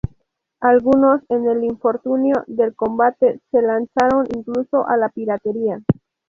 Algunos, en el infortunio del combate, se lanzaron incluso a la piratería.